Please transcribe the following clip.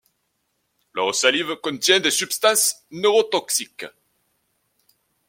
Leur salive contient des substances neurotoxiques.